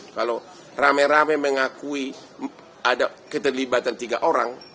kalau rame rame mengakui ada keterlibatan tiga orang